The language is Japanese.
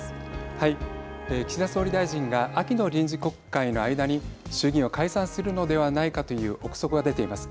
はい、岸田総理大臣が秋の臨時国会の間に衆議院を解散するのではないかという臆測が出ています。